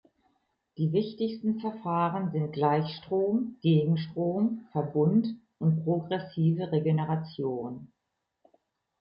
Die wichtigsten Verfahren sind Gleichstrom-, Gegenstrom-, Verbund- und progressive Regeneration.